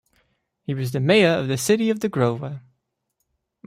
He was the Major of the City of the Grover.